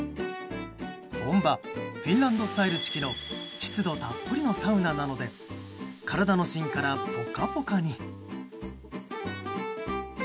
本場フィンランドスタイル式の湿度たっぷりのサウナなので体の芯からポカポカに。